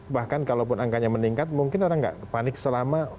bahkan kalaupun angkanya meningkat mungkin orang nggak panik selama